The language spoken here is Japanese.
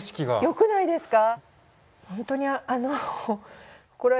よくないですか？